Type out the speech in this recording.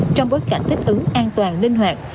trong bối cảnh thích ứng an toàn linh hoạt